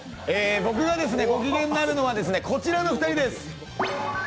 僕がご機嫌になるのはこちらの２人です。